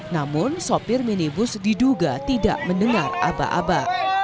namun sopir minibus diduga tidak mendengar aba aba